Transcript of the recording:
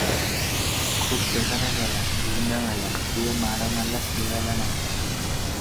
ଖୁବ୍ ତଦାରଖ ହେଲା, ଧୂମଧାମ ହେଲା, କିଏ ମାଡ଼ ମାରିଲା ସ୍ଥିର ହେଲା ନାହିଁ ।